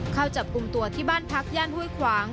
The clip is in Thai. เข้าจับกลุ่มตัวที่บ้านพักย่านห้วยขวาง